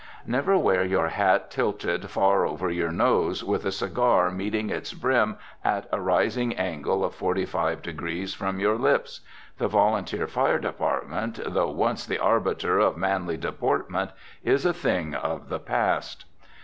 Never wear your hat tilted far over your nose, with a cigar meeting its brim at a rising angle of forty five degrees from your lips. The Volunteer Fire Department, though once the arbiter of manly deportment, is a thing of the past.